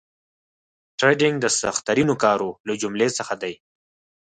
ټریډینګ د سخترینو کارو له جملې څخه دي